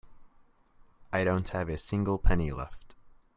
I don't have a single penny left.